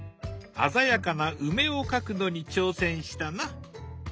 鮮やかな梅を描くのに挑戦したな。